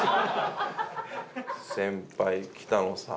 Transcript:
先輩北野さん